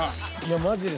マジで。